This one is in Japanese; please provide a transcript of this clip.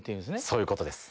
そういうことです。